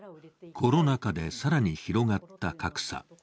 コロナ禍で更に広がった格差。